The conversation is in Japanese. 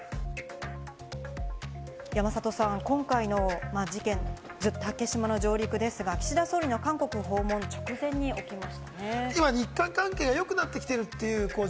山里さん、今回の事態、竹島への上陸ですが、岸田総理の韓国訪問直前に起きましたね。